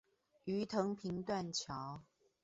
魚藤坪斷橋